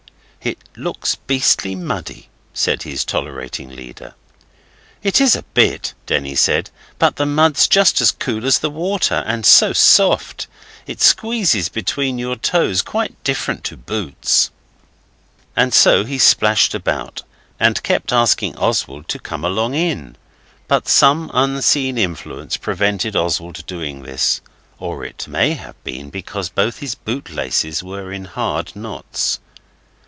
'It looks beastly muddy,' said his tolerating leader. 'It is a bit,' Denny said, 'but the mud's just as cool as the water, and so soft, it squeezes between your toes quite different to boots.' And so he splashed about, and kept asking Oswald to come along in. But some unseen influence prevented Oswald doing this; or it may have been because both his bootlaces were in hard knots.